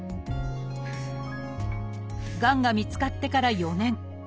がんが見つかってから４年。